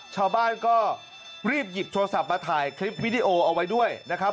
ชาวบ้านก็รีบหยิบโทรศัพท์มาถ่ายคลิปวิดีโอเอาไว้ด้วยนะครับ